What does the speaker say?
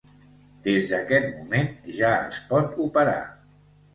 Des d'aquest moment ja es pot operar.